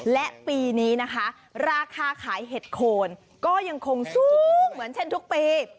และปีนี้นะคะราคาขายเห็ดโคนก็ยังคงสูงเหมือนเช่นทุกปี